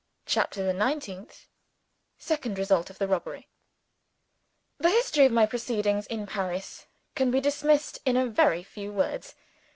CHAPTER THE NINETEENTH Second Result of the Robbery THE history of my proceedings in Paris can be dismissed in a very few words.